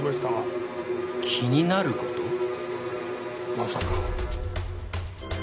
まさか。